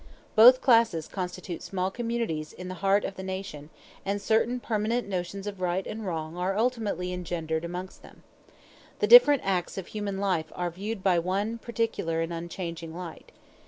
Both classes constitute small communities in the heart of the nation, and certain permanent notions of right and wrong are ultimately engendered amongst them. The different acts of human life are viewed by one particular and unchanging light.